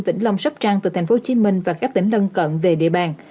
tỉnh long sắp trang từ tp hcm và các tỉnh lân cận về địa bàn